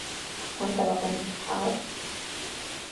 Contaba con hab.